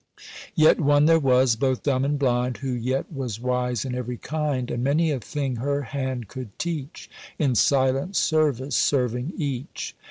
Yet one there was, both dumb and blind, Who yet was wise in every kind, And many a thing her hand could teach, In silent service serving each.